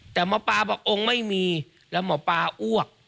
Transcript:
แต่หมอปลาบอกองค์ไม่มีแล้วหมอปลาอ้วก